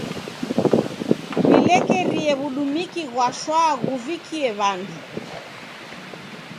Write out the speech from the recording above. W'ilekerie w'udumiki ghwa shwaa ghuvikie w'andu.